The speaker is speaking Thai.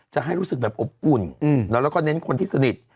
จะให้รู้สึกแบบอบอุ่นแล้วก็เน้นคนที่สนิท